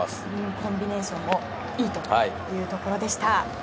コンビネーションもいいということでした。